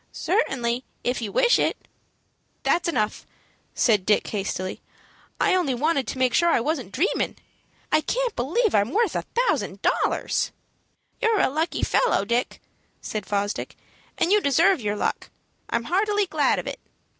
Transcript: "Certainly, if you wish it." "That's enough," said Dick, hastily. "I only wanted to make sure I wasn't dreamin'. I can't believe I'm worth a thousand dollars." "You're a lucky fellow, Dick," said Fosdick, "and you deserve your luck. I'm heartily glad of it."